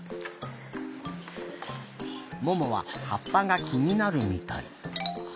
ももははっぱがきになるみたい。